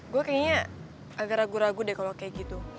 gue kayaknya agak ragu ragu deh kalau kayak gitu